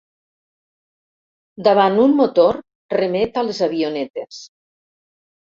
Davant un motor remet a les avionetes.